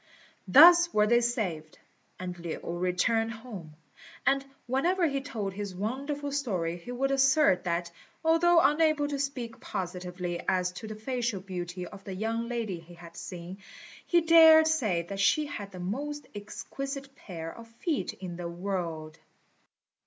Thus were they saved, and Lin returned home; and whenever he told his wonderful story he would assert that, although unable to speak positively as to the facial beauty of the young lady he had seen, he dared say that she had the most exquisite pair of feet in the world.